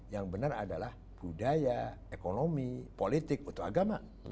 yang benar adalah budaya ekonomi politik untuk agama